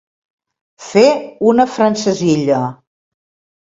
Fer una francesilla.